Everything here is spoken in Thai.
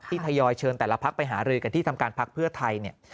ที่ทะยอยเชิงแต่ละพักไปหาเรย์กันที่ทำการพักเพื่อไทย